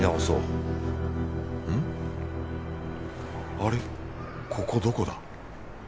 あれここどこだ？